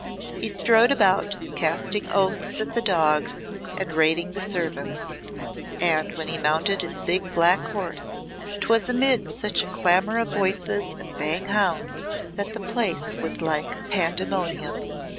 He strode about, casting oaths at the dogs and rating the servants, and when he mounted his big black horse 'twas amid such a clamour of voices and baying hounds that the place was like Pandemonium.